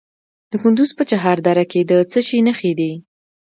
د کندز په چهار دره کې د څه شي نښې دي؟